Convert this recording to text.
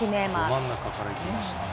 ど真ん中からいきましたね。